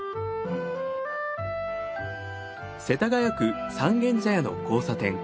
世田谷区三軒茶屋の交差点。